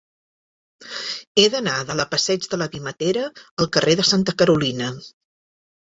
He d'anar de la passeig de la Vimetera al carrer de Santa Carolina.